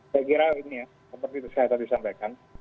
saya kira ini ya seperti saya tadi sampaikan